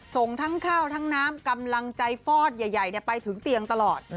ส่งทั้งข้าวทั้งน้ำกำลังใจฟอดใหญ่ไปถึงเตียงตลอด